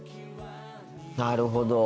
なるほど。